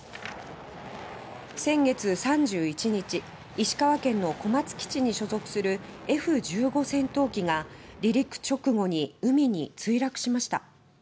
先月３１日石川県の小松基地に所属するＦ１５戦闘機が離陸直後に、海に墜落しました。